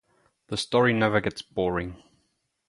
The story never gets boring.